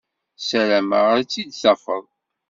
Sarameɣ ad tt-id-tafeḍ.